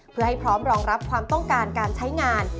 เพื่อให้พร้อมรองรับความต้องการการใช้งาน